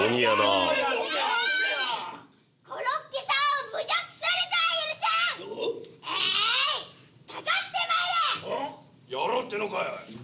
「おっ⁉やろうってのかい？